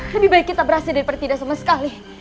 lebih baik kita berhasil dari pertidak sama sekali